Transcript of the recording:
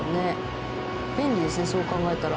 便利ですねそう考えたら。